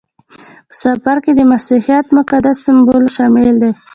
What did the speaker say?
په سفر کې د مسیحیت مقدس سمبولونه شامل وو.